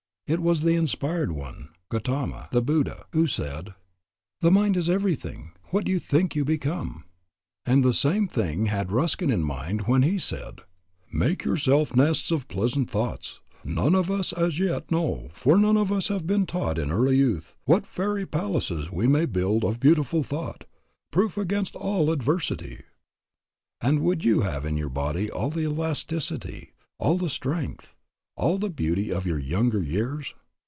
It was the inspired one, Gautama, the Buddha, who said, "The mind is everything; what you think you become." And the same thing had Ruskin in mind when he said, "Make yourself nests of pleasant thoughts. None of us as yet know, for none of us have been taught in early youth, what fairy palaces we may build of beautiful thought, proof against all adversity." And would you have in your body all the elasticity, all the strength, all the beauty of your younger years?